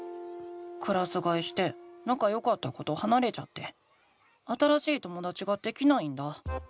クラスがえしてなかよかった子とはなれちゃって新しいともだちができないんだ。